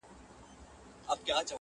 داسي هم نور ورباندي سته نومونه؛